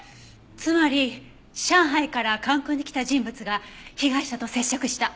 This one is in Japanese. つまり上海から関空に来た人物が被害者と接触した。